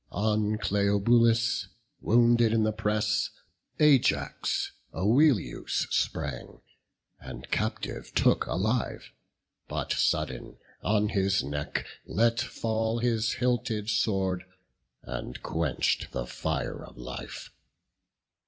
On Cleobulus, wounded in the press, Ajax Oileus sprang, and captive took, Alive; but sudden on his neck let fall His hilted sword, and quench'd the fire of life.